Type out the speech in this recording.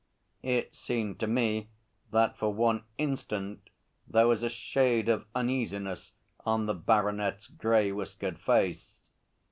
It seemed to me that for one instant there was a shade of uneasiness on the baronet's grey whiskered face.